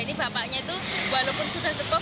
ini papanya itu walaupun sudah sempurna